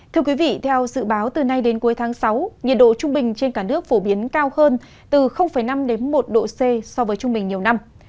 thưa quý vị theo dự báo từ nay đến cuối tháng sáu nhiệt độ trung bình trên cả nước phổ biến cao hơn từ năm đến một độ c so với trung bình nhiều năm